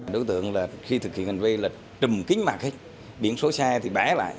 đối tượng là khi thực hiện hành vi là trùm kính mạc biển số xe thì bẽ lại